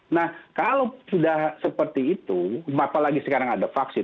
nah kalau sudah seperti itu apalagi sekarang ada vaksin